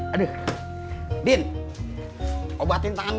aduh bin obatin tangan gua